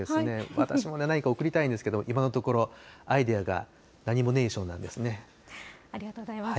私も何か何か贈りたいんですけど、今のところ、アイデアが何もネーションなんでありがとうございます。